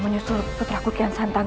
menyusul kian santang